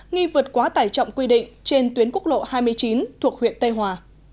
nghi vượt quá tải trọng quy định trên tuyến quốc lộ hai mươi chín thuộc huyện tây hòa